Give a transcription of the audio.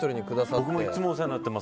僕もいつもお世話になってます。